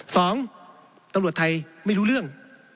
สองตำรวจไทยไม่รู้เรื่อง